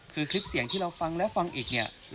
คือคลิปเสียงที่เราฟังแล้วฟังอีกเนี่ย